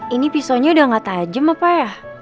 ini pisaunya udah gak tajem apa ya